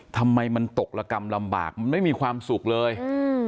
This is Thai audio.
ทำไมมันตกระกำลำบากมันไม่มีความสุขเลยอืม